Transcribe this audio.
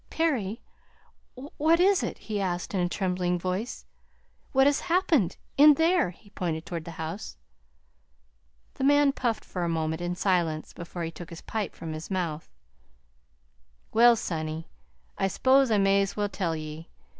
"Perry, what is it?" he asked in a trembling voice. "What has happened in there?" He pointed toward the house. The man puffed for a moment in silence before he took his pipe from his mouth. "Well, sonny, I s'pose I may as well tell ye.